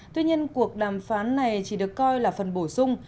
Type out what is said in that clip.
tuy nhiên cuộc đàm phán này chỉ được coi là phần bổ sung